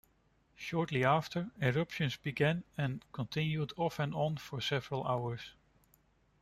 Shortly after, eruptions began and continued off-and-on for several hours.